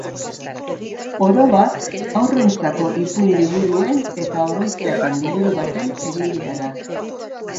Orobat, haurrentzako ipuin liburuen eta oroitzapen liburu baten egilea da.